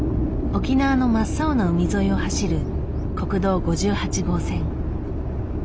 沖縄の真っ青な海沿いを走る国道５８号線。